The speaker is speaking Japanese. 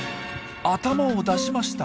頭を出しました。